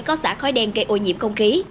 có xã khói đen gây ô nhiễm không khí